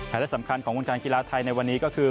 และสำคัญของวงการกีฬาไทยในวันนี้ก็คือ